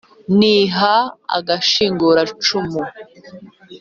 Niha agashinguracumu